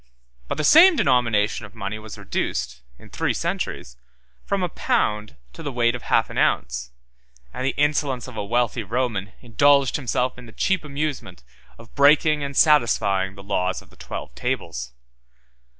But the same denomination of money was reduced, in three centuries, from a pound to the weight of half an ounce: and the insolence of a wealthy Roman indulged himself in the cheap amusement of breaking and satisfying the law of the twelve tables.